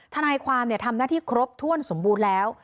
ทนายความทำหน้าที่ครบถ้วนสมบูรณ์แล้ว